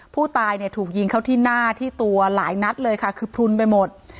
ผู้ตายเนี่ยถูกยิงเข้าที่หน้าที่ตัวหลายนัดเลยค่ะคือพลุนไปหมด